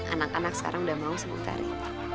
anak anak sekarang udah mau sama utari